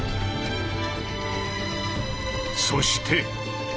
そして！